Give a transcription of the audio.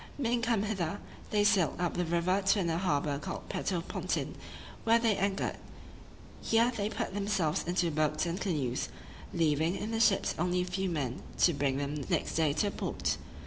Being come hither, they sailed up the river to another harbor called Puerto Pontin, where they anchored: here they put themselves into boats and canoes, leaving in the ships only a few men to bring them next day to the port.